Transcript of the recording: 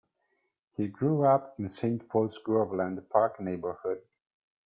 He grew up in Saint Paul's Groveland Park neighborhood.